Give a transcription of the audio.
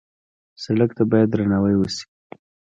سړک ته باید درناوی وشي.